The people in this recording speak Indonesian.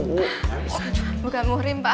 bukan muhrim pak